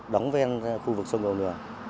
đóng ven khu vực sông đầu nường